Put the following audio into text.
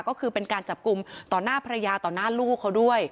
ก็คือเป็นการจับกลุ่มต่อหน้าภรรยาต่อหน้าลูกเขาด้วย